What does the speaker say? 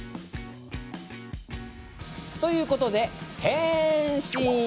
ということで、変身。